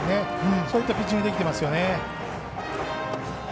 そういったピッチングできてますよね。